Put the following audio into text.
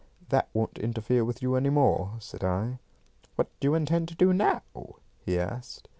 "That won't interfere with you any more," said I. "What do you intend to do now?" he asked.